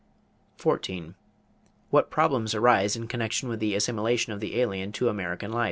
14. What problems arise in connection with the assimilation of the alien to American life?